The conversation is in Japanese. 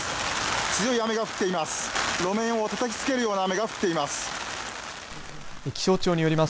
強い雨が降っています。